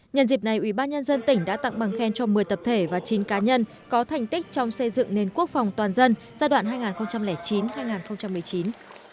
nhân dịp này ủy ban nhân dân tỉnh đã tặng bằng khen cho một mươi tập thể và chín cá nhân có thành tích trong xây dựng nền quốc phòng toàn dân giai đoạn hai nghìn chín hai nghìn một mươi chín